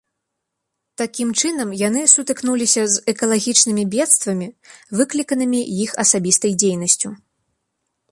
Такім чынам яны сутыкнуліся з экалагічнымі бедствамі, выкліканымі іх асабістай дзейнасцю.